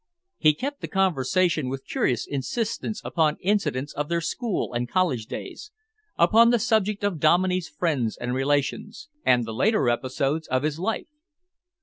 He kept the conversation with curious insistence upon incidents of their school and college days, upon the subject of Dominey's friends and relations, and the later episodes of his life.